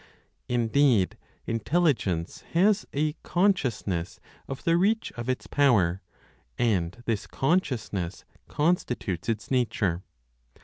Indeed, Intelligence has a consciousness of the reach of its power, and this consciousness constitutes its nature.